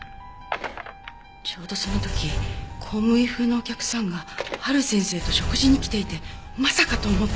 ちょうどその時公務員風のお客さんが陽先生と食事に来ていてまさかと思って。